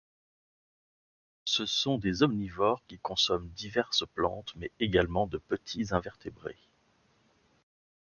Ce sont des omnivores qui consomment diverses plantes mais également de petits invertébrés.